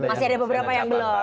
masih ada beberapa yang belum